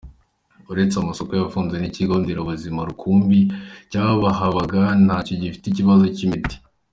Uretse amasoko yafunze n’ikigo nderabuzima rukumbi cyahabaga nacyo gifite ikibazo cy’imiti.